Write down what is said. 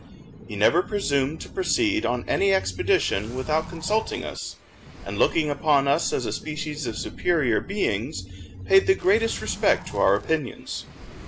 He never presumed to proceed on any expedition without consulting us, and looking upon us as a species of superior beings, paid the greatest respect to our opinions.